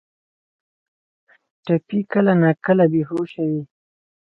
ټپي کله ناکله بې هوشه وي.